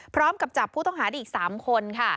พร้อมกับจับผู้ต้องหาได้อีก๓คนค่ะ